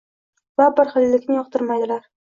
va bir xillikni yoqtirmaydilar.